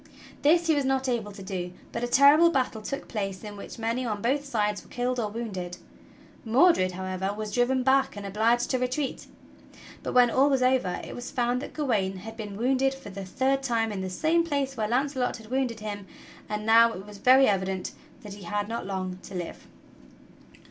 This he was not able to do, but a terrible battle took place in which many on both sides were killed or wounded. Mordred, however, was driven back and obliged to retreat. But when all was over it was found that Gawain had been wounded for the third time in the same place where Launcelot had wounded him; and now it was very evident that he had not long to live.